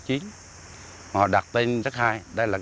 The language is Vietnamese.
họ đặt tên rất hay